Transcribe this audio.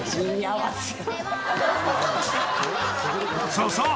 ［そうそう。